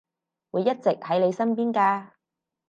會一直喺你身邊㗎